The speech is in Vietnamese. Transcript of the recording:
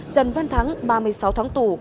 trần văn thắng ba mươi sáu tháng tù